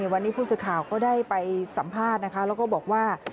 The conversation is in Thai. วันนี้ผู้สื่อข่าวก็ได้ไปสัมภาษณ์นะคะแล้วก็บอกว่า